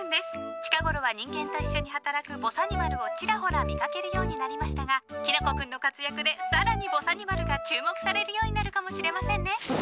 近頃は人間と一緒に働くぼさにまるを、ちらほら見かけるようになりましたがきなこ君の活躍で更にぼさにまるが注目されるようになるかもしれませんね。